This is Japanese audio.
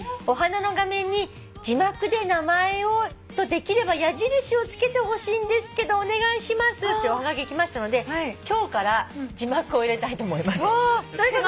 「お花の画面に字幕で名前とできれば矢印を付けてほしいんですけどお願いします」っておはがき来ましたので今日から字幕を入れたいと思います。